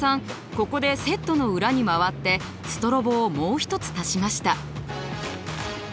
ここでセットの裏に回ってストロボをもう一つ足しました。